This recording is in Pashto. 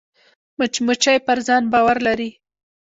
مچمچۍ پر ځان باور لري